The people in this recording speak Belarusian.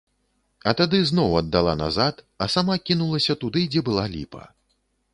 А тады зноў аддала назад, а сама кінулася туды, дзе была ліпа.